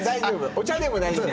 お茶でも大丈夫。